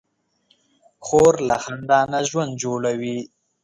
خور له خندا نه ژوند جوړوي.